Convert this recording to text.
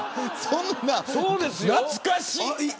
懐かしい。